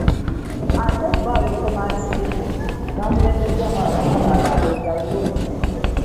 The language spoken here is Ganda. Ate bo ab'e Bukomansimbi, bakulembeddwamu ababaka baabwe ab'enjawulo.